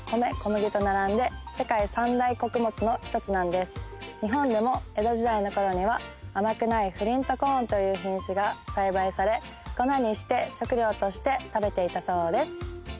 実は日本でも江戸時代の頃には甘くないフリントコーンという品種が栽培され粉にして食料として食べていたそうです